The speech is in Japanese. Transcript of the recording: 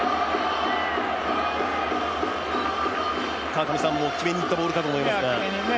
川上さん、これはもう決めに行ったボールだと思いますが。